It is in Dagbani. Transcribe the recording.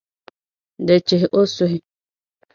Di chihi o suhu.